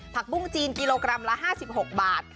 ปุ้งจีนกิโลกรัมละ๕๖บาท